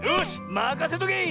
まかせとけ！